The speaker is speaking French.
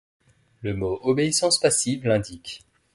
Le mot obéissance passive l’indique.